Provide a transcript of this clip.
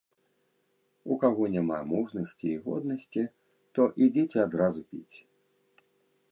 У каго няма мужнасці і годнасці, то ідзіце адразу піць.